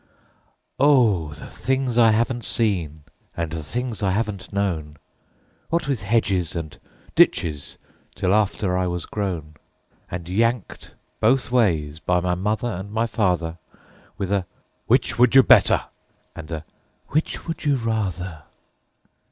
Oh, the things I haven't seen and the things I haven't known, What with hedges and ditches till after I was grown, And yanked both ways by my mother and my father, With a 'Which would you better?" and a "Which would you rather?"